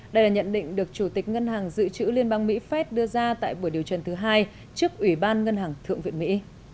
đây là nhận định được chủ tịch ngân hàng dự trữ liên bang mỹ fed đưa ra tại buổi điều trần thứ hai trước ủy ban ngân hàng thượng viện mỹ